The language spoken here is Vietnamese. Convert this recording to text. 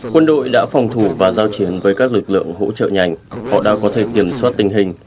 quân đội đã phòng thủ và giao chiến với các lực lượng hỗ trợ nhanh họ đã có thể kiểm soát tình hình